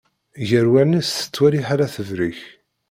Ger wallen-is tettwali ḥala tebrek.